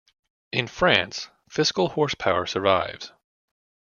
In France, fiscal horsepower survives.